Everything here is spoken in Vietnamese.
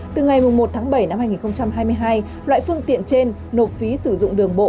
từ ngày một tháng bảy năm hai nghìn hai mươi hai loại phương tiện trên nộp phí sử dụng đường bộ